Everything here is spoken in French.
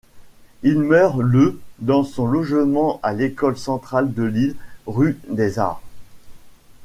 Il meurt le dans son logement de l'école centrale de Lille, rue des Arts.